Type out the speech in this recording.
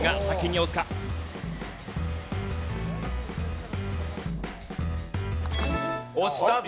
押したぞ。